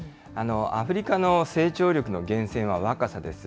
アフリカの成長力の源泉は若さです。